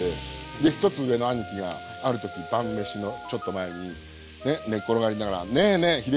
で１つ上の兄貴がある時晩飯のちょっと前に寝っ転がりながら「ねえねえ」。